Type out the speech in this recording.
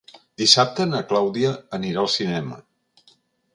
Dissabte na Clàudia anirà al cinema.